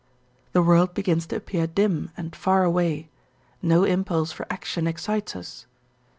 The world begins to appear dim and far away, no impulse for action excites us.